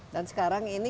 dan sekarang ini